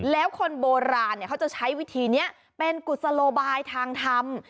แล้วคนโบราณเขาจะใช้วิธีนี้เป็นกุศโลบายทางธรรม